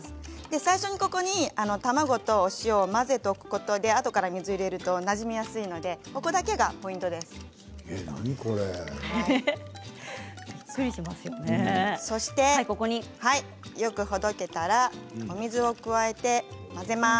最初に、ここに卵とお塩を混ぜておくことであとから水を入れるとなじみやすいので何これ？よくほどけたらお水を加えて混ぜます。